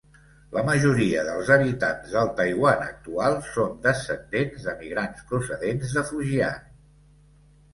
La majoria dels habitants del Taiwan actual són descendents d'emigrants procedents de Fujian.